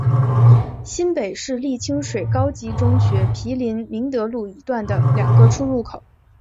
新北市立清水高级中学毗邻明德路一段的两个出入口。